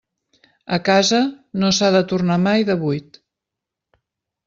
A casa, no s'ha de tornar mai de buit.